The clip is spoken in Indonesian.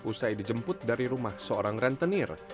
usai dijemput dari rumah seorang rentenir